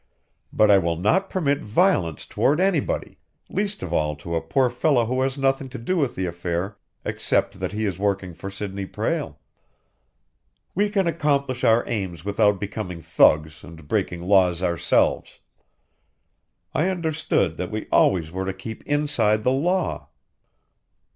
But I will not permit violence toward anybody, least of all to a poor fellow who has nothing to do with the affair except that he is working for Sidney Prale. We can accomplish our aims without becoming thugs and breaking laws ourselves. I understood that we always were to keep inside the law."